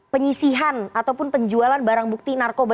penyisihan ataupun penjualan barang bukti narkoba